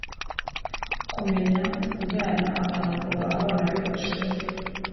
Kumenya ujyana akanakura abana be ku ishuli